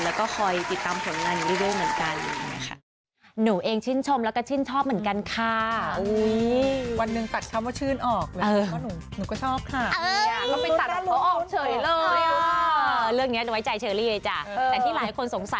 แล้วก็คอยติดตามผลงานอยู่ด้วยเหมือนกันอย่างนี้ค่ะ